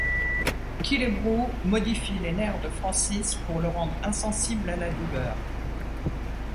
Killebrew modifie les nerfs de Francis pour le rendre insensible à la douleur.